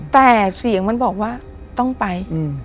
แต่เสียงมันบอกว่าต้องไป